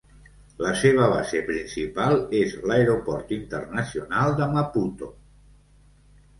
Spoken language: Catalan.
La seva base principal és l'Aeroport Internacional de Maputo.